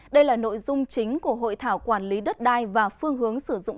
đây là nội dung chính của hội thảo quản lý đất đai và phương hướng sử dụng